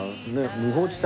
無法地帯。